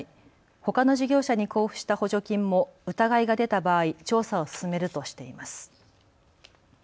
ほかの事業者に交付した補助金も疑いが出た場合、調査を進めるとしています。